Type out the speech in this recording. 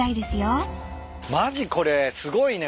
マジこれすごいね。